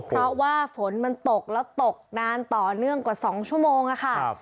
เพราะว่าฝนมันตกแล้วตกนานต่อเนื่องกว่า๒ชั่วโมงค่ะ